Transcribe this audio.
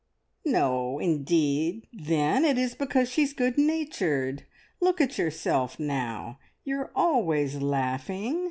"No, indeed, then, it is because she's good natured. Look at yourself now; you are always laughing!"